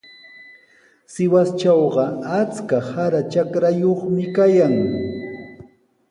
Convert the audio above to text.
Sihuastrawqa achka sara trakrayuqmi kayan.